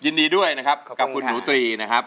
ยินดีด้วยนะครับกับคุณหนูตรีนะครับ